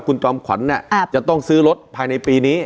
คุณจอมขวัญจะต้องซื้อรถภายในปีนี้